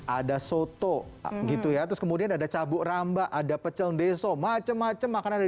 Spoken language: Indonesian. ada soto gitu ya terus kemudian ada cabuk rambak ada pecel deso macem macem makanan ada di sana